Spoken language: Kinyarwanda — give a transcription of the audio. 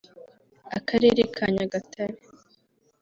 Akarere ka Nyagatare